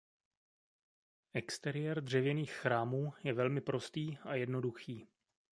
Exteriér dřevěných chrámů je velmi prostý a jednoduchý.